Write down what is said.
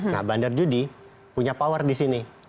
nah bandar judi punya power di sini